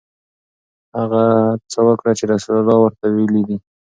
هغه څه وکړه چې رسول الله ورته ویلي دي.